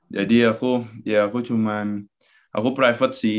jadi aku ya aku cuman aku private sih